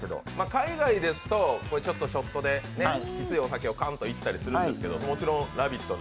海外ですとちょっとショットで、きついお酒をカーンといったりするんですけど、もちろん「ラヴィット！」